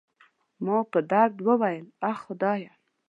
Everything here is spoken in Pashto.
ما په درد وویل: اخ، خدایه.